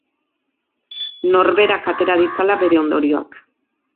Norberak atera ditzala bere ondorioak.